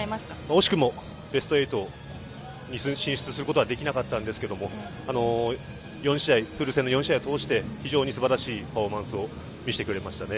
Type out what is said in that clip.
惜しくもベスト８進出することはできなかったんですけど、４試合を通して非常にすばらしいパフォーマンスを見せてくれましたね。